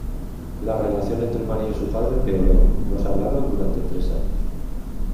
La relación entre María y su padre empeoró; no se hablaron durante tres años.